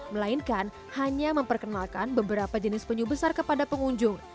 melainkan hanya memperkenalkan beberapa jenis penyu besar kepada pengunjung